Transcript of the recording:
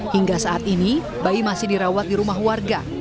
hingga saat ini bayi masih dirawat di rumah warga